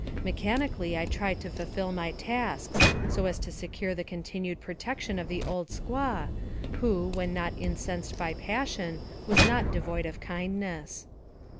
Mechanically I tried to fulfill my tasks, so as to secure the continued protection of the old squaw, who, when not incensed by passion, was not devoid of kindness.